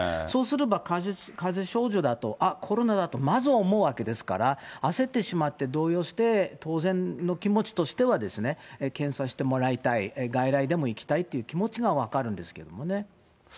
そうすればかぜ症状だと、あっ、コロナだとまず思うわけですよ、焦ってしまって、動揺して、当然の気持ちとしては検査してもらいたい、外来でも行きたいっていう気持ちは分かるんですけどもね。